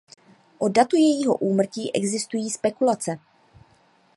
O datu jejího úmrtí existují spekulace.